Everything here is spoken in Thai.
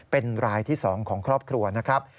เป็นรายที่๒ของครอบครัวนะครับ